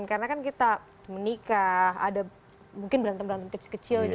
karena kan kita menikah ada mungkin berantem berantem kecil kecil gitu ya